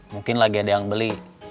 mungkin lagi ada yang beli